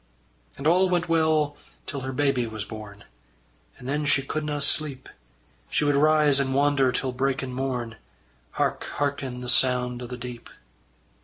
And all went well till her baby was born, And then she couldna sleep; She would rise and wander till breakin' morn, Hark harkin' the sound o' the deep.